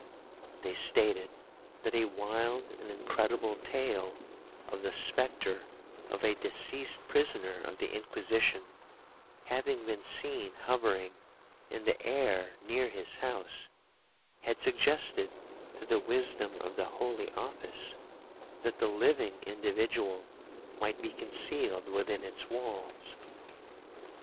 They stated that a wild and incredible tale of the spectre of a deceased prisoner of the Inquisition having been seen hovering in the air near his house, had suggested to the wisdom of the holy office, that the living individual might be concealed within its walls.